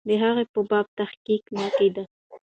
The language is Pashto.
د هغې په باب تحقیق نه کېده.